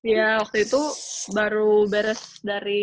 ya waktu itu baru beres dari